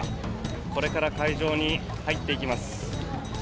これから会場に入っていきます。